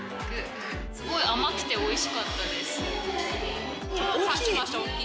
すごい甘くておいしかったで大きい。